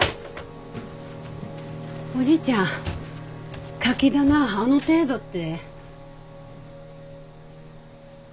おじいちゃんカキ棚あの程度って。